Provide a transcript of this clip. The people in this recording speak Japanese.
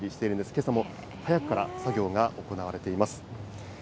けさも早くから作業が行われています。